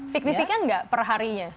signifikan tidak perharinya